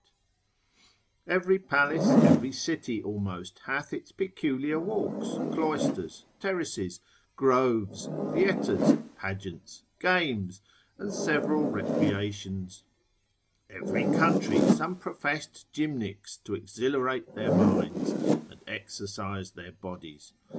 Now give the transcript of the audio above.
Every palace, every city almost hath its peculiar walks, cloisters, terraces, groves, theatres, pageants, games, and several recreations; every country, some professed gymnics to exhilarate their minds, and exercise their bodies.